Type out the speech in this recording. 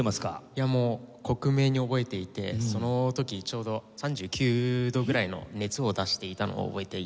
いやもう克明に覚えていてその時ちょうど３９度ぐらいの熱を出していたのを覚えていて。